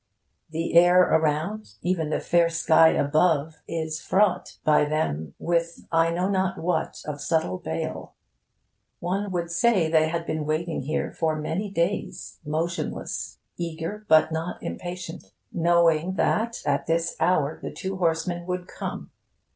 The air around, even the fair sky above, is fraught by them with I know not what of subtle bale. One would say they had been waiting here for many days, motionless, eager but not impatient, knowing that at this hour the two horsemen would come.